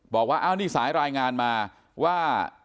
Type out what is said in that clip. บอกว่าอ้าวนี่สายรายงานมาว่า